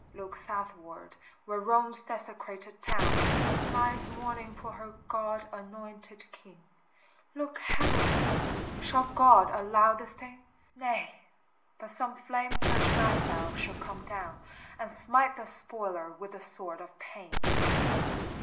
Look southward where Rome's desecrated town Lies mourning for her God anointed King ! Look heavenward ! shall God allow this thing ? Nay ! but some flame girt Raphael shall come down, And smite the Spoiler with the sword of pain.